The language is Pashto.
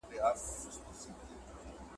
دا دنیا د هیلو د روزلو یو کوچنی بڼ دی.